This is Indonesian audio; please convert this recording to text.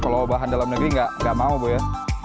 kalau bahan dalam negeri nggak mau bu ya